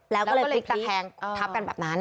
แล้วก็เลยพลิกตะแคงทับกันแบบนั้น